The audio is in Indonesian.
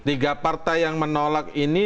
tiga partai yang menolak ini